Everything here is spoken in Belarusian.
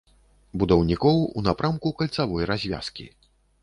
Будаўнікоў у напрамку кальцавой развязкі.